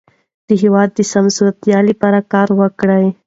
د هېواد د سمسورتیا لپاره کار وکړئ.